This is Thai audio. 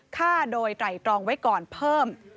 ฆ่าโดยไตรตรองไว้ก่อนเพิ่ม